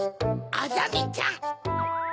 あざみちゃん？